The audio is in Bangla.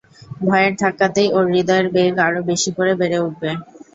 ভয়ের ধাক্কাতেই ওর হৃদয়ের বেগ আরো বেশি করে বেড়ে উঠবে।